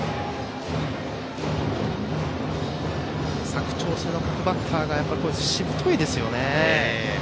佐久長聖の各バッターはしぶといですよね。